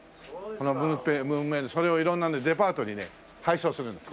この文明堂それを色んなねデパートにね配送するんです